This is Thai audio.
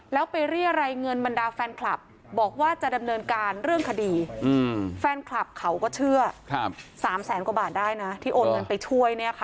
แล้วไปเรียรัยเงินบรรดาแฟนคลับบอกว่าจะดำเนินการเรื่องคดีแฟนคลับเขาก็เชื่อ๓แสนกว่าบาทได้นะที่โอนเงินไปช่วย